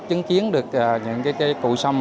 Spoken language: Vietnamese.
chứng kiến được những cụ xâm